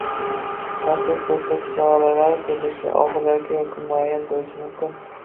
Ta’sir ko‘rsatish choralari turlicha – og‘zaki yoki muayyan bo‘lishi mumkin.